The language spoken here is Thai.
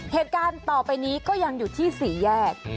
เหตุการณ์ต่อไปนี้ก็ยังอยู่ที่สี่แยก